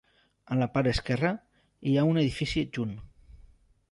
A la part esquerra, hi ha un edifici adjunt.